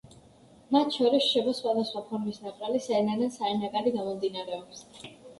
მათ შორის რჩება სხვადასახვა ფორმის ნაპრალი, საიდანაც ჰაერნაკადი გამომდინარეობს.